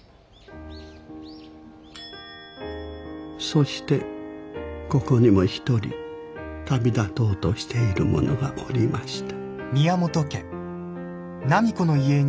そしてここにも１人旅立とうとしている者がおりました。